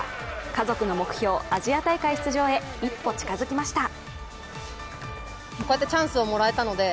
家族の目標、アジア大会出場へ一歩近づきました。